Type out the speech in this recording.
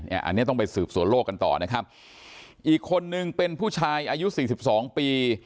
อันนี้ต้องไปสืบสวนโลกกันต่อนะครับอีกคนนึงเป็นผู้ชายอายุสี่สิบสองปี